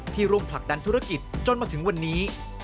ร่วมผลักดันธุรกิจจนมาถึงวันนี้